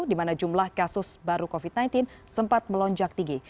di mana jumlah kasus baru covid sembilan belas sempat melonjak tinggi